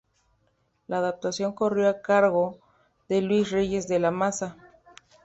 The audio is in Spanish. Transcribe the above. La adaptación corrió a cargo de Luis Reyes de la Maza.